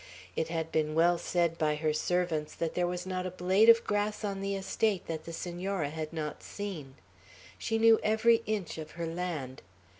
It had been well said by her servants, that there was not a blade of grass on the estate that the Senora had not seen. She knew every inch of her land.